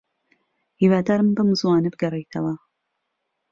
هیوادارم بەم زووانە بگەڕێیتەوە.